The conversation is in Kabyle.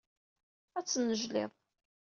Ad tennejliḍ.